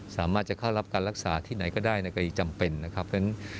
สามารถจะเข้ารับการรักษาที่ไหนก็ได้ในกรณีจำเป็นนะครับเพราะฉะนั้น